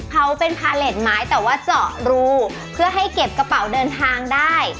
เขาเป็นพาเลสไม้แต่ว่าเจาะรูเพื่อให้เก็บกระเป๋าเดินทางได้